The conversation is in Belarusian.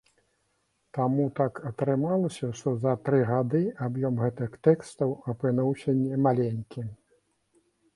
Таму так атрымалася, што за тры гады аб'ём гэтых тэкстаў апынуўся не маленькі.